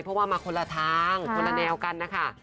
เพราะว่ามาคนละทางคนละแนวกันนะคะ